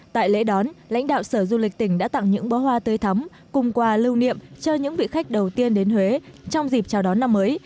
tại lễ đón lãnh đạo sở du lịch tỉnh đã tặng những bó hoa tới thắm cùng quà lưu niệm cho những vị khách đầu tiên đến huế trong dịp chào đón năm mới